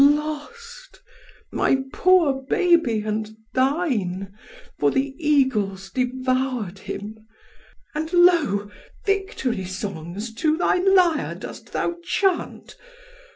Lost my poor baby and thine! for the eagles devoured him: and lo! Victory songs to thy lyre dost thou chant!